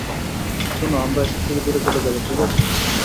শোনো, আমরা এসব থেকে দূরে চলে যাবো, ঠিক আছে?